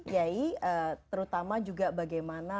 yai terutama juga bagaimana